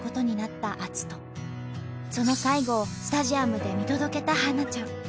その最後をスタジアムで見届けた春菜ちゃん。